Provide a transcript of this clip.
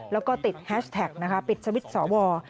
แล้วก็ติดแฮชแท็กปิดสวิตช์สอวร